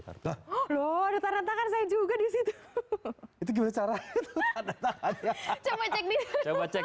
karena loh ada tanda tangan saya juga disitu itu gimana cara itu ada tanda tangannya coba cek